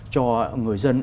cho người dân